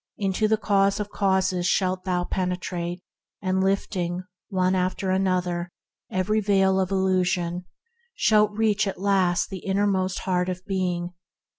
Into the cause of causes shalt thou penetrate, and lifting, one after another, every veil of illusion, shalt reach at last the inmost Heart of Being.